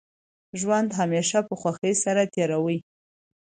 ژوند همېشه په خوښۍ سره تېروئ!